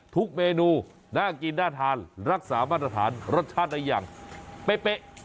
ทุกเมนูน่ากินน่าทานรักษามาตรฐานรสชาติได้อย่างเป๊ะ